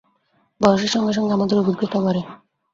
বয়সের সঙ্গে সঙ্গে আমাদের অভিজ্ঞতা বাড়ে।